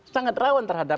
sangat rawan terhadap